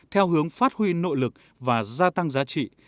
theo hướng phát huy nội lực và gia tăng giá trị